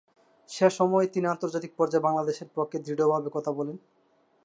সেসময় তিনি আন্তর্জাতিক পর্যায়ে বাংলাদেশের পক্ষে দৃঢ়ভাবে কথা বলেন।